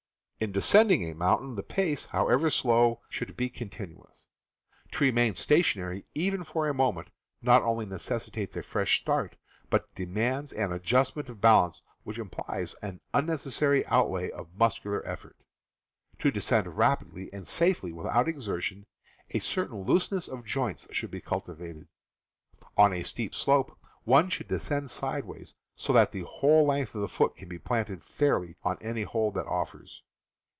In descending a mountain, the pace, however slow, should be continuous. To remain stationary, even for a moment, not only necessitates a fresh start, but demands an adjustment of balance which implies an unnecessary outlay of muscular effort. To descend rapidly and safely without exertion, a certain looseness of joints should be cultivated. On a steep slope one should descend sideways, so that the whole length of the foot can be planted fairly on any hold that offers.